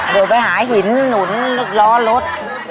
โดดไปหาหินหนุนรอรถ